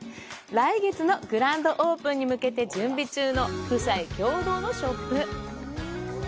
来月のグランドオープンに向けて準備中の、夫妻共同のショップ。